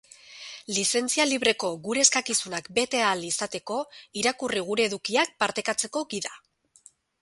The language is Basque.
Lizentzia libreko gure eskakizunak bete ahal izateko, irakurri gure edukiak partekatzeko gida.